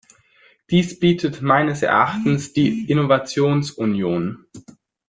Dies bietet meines Erachtens die Innovationsunion.